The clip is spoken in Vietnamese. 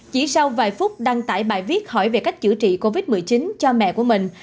chỉ sau vài phút đăng tải bài viết hỏi về cách chữa trị covid một mươi chín cho mẹ của mình